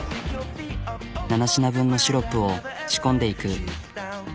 ７品分のシロップを仕込んでいく。